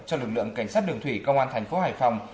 cho lực lượng cảnh sát đường thủy công an thành phố hải phòng